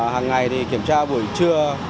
hàng ngày thì kiểm tra buổi trưa